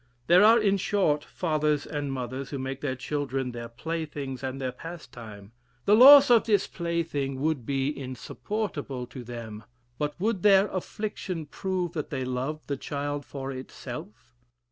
There are, in short, fathers and mothers, who make their children their playthings and their pastime. The loss of this plaything would be insupportable to them; but would their affliction prove that they loved the child for itself?